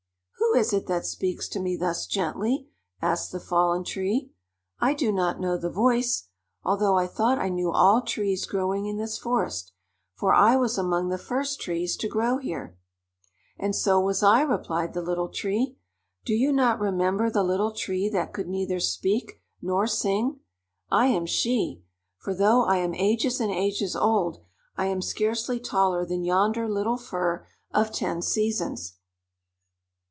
"Who is it that speaks to me thus gently?" asked the Fallen Tree. "I do not know the voice, although I thought I knew all trees growing in this forest, for I was among the first trees to grow here." "And so was I," replied the Little Tree. "Do you not remember the Little Tree that could neither speak nor sing? I am she. For though I am ages and ages old, I am scarcely taller than yonder little fir of ten seasons."